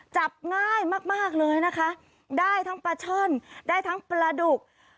จับง่ายมากมากเลยนะคะได้ทั้งปลาช่อนได้ทั้งปลาดุก